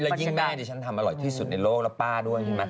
แล้วยิ่งได้ดิฉันทำอร่อยที่สุดในโลกแล้วป้าด้วยใช่ไหม